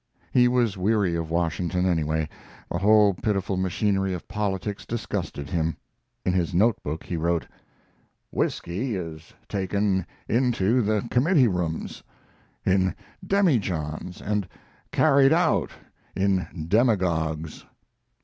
He was weary of Washington, anyway. The whole pitiful machinery of politics disgusted him. In his notebook he wrote: Whiskey is taken into the committee rooms in demijohns and carried out in demagogues.